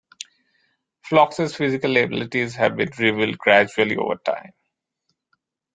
Phlox's physical abilities have been revealed gradually over time.